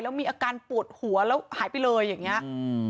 แล้วมีอาการปวดหัวแล้วหายไปเลยอย่างเงี้อืม